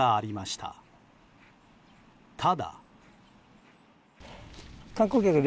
ただ。